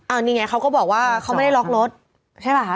อันนี้ไงเขาก็บอกว่าเขาไม่ได้ล็อกรถใช่ป่ะคะ